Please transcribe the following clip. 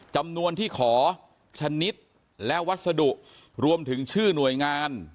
จำนวนที่ขอชนิดและวัสดุรวมถึงชื่อหน่วยงาน